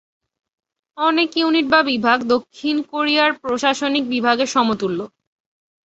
অনেক ইউনিট বা বিভাগ দক্ষিণ কোরিয়ার প্রশাসনিক বিভাগের সমতুল্য।